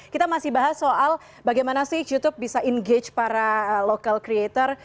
kita masih bahas soal bagaimana sih youtube bisa engage para local creator